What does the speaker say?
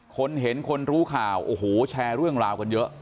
คนเห็นคนรู้ข่าวโอ้โหแชร์เรื่องราวกันเยอะ